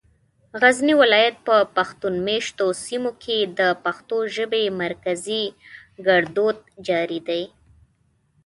غزني ولايت په پښتون مېشتو سيمو کې د پښتو ژبې مرکزي ګړدود جاري دی.